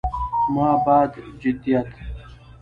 ما بعد جديديت